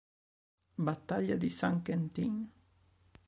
Battaglia di Saint-Quentin